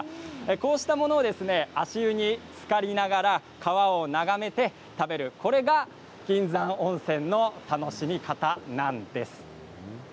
こうしたものを足湯につかりながら川を眺めて食べるこれが銀山温泉の楽しみ方なんです。